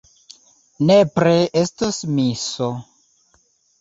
Nepre estos miso.